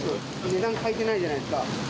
値段、変えてないじゃないですか。